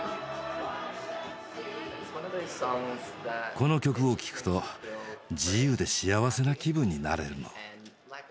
この曲を聴くと自由で幸せな気分になれるの。